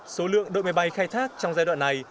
số lượng đội máy bay khai thác trong giai đoạn này